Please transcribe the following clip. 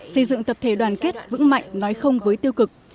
xây dựng tập thể đoàn kết vững mạnh nói không với tiêu cực